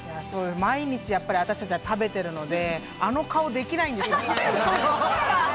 毎日私たちは食べてるので、あの顔できないんですよ。